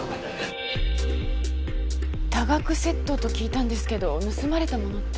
多額窃盗と聞いたんですけど盗まれたものって？